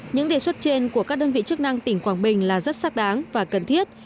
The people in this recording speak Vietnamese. những đề xuất trên của các đơn vị chức năng tỉnh quảng bình là rất xác đáng và cần thiết